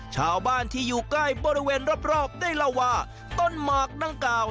ชาวบ้านที่อยู่ใกล้บริเวณรอบได้เล่าว่าต้นหมากดังกล่าว